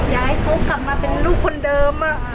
อยากให้เขากลับมาเป็นลูกคนเดิม